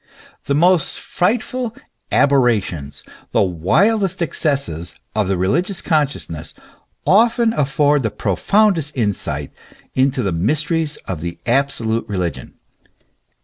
The most frightful " aberrations," the wildest excesses of the religious consciousness, often afford the profoundest insight into the mysteries of the absolute religion.